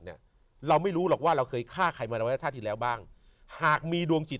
เนี่ยเราไม่รู้หรอกว่าเราเคยฆ่าใครมาในระยะท่าที่แล้วบ้างหากมีดวงจิต